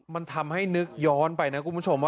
มันทำให้นึกย้อนไปนะคุณผู้ชมว่า